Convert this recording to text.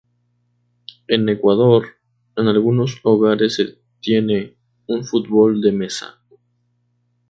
En Ecuador, en algunos hogares se tiene un fútbol de mesa.